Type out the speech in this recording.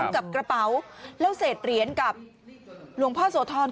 กับกระเป๋าแล้วเศษเหรียญกับหลวงพ่อโสธร